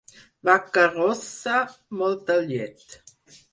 Vaca rossa, molta llet.